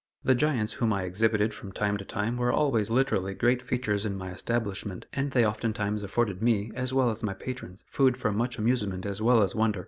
The giants whom I exhibited from time to time were always literally great features in my establishment, and they oftentimes afforded me, as well as my patrons, food for much amusement as well as wonder.